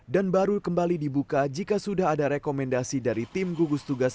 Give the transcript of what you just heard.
dan baru kembali dibuka jika sudah ada rekomendasi dari tim gugus tugas